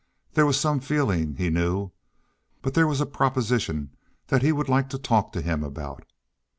There was some feeling he knew, but there was a proposition he would like to talk to him about.